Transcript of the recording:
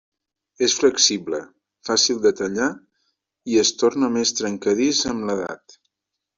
És flexible, fàcil de tallar, i es torna més trencadís amb l'edat.